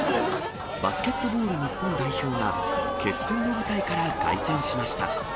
バスケットボール日本代表が、決戦の舞台から凱旋しました。